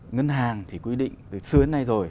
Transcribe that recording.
ngân hàng thì quy định từ xưa đến nay rồi